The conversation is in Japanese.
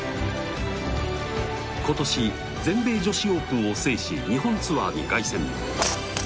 ことし、全米女子オープンを制し日本ツアーに凱旋。